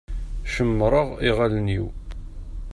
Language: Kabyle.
Cemmṛeɣ iɣallen-iw.